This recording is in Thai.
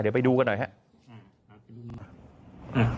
เดี๋ยวไปดูกันหน่อยครับ